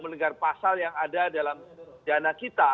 mendengar pasal yang ada dalam dana kita